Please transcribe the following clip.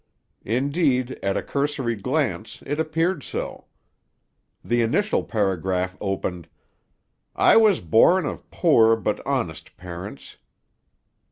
Indeed, at a cursory glance, it appeared so. The initial paragraph opened, "I was born of poor but honest parents."